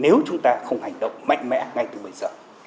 nếu chúng ta không hành động mạnh mẽ ngay từ bây giờ